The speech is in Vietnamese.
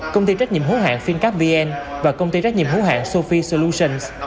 công ty trách nhiệm hứa hạng fincapvn và công ty trách nhiệm hứa hạng sofie solutions